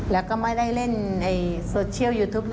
แล้วก็ไม่ได้เล่นโซเชียลยูทูป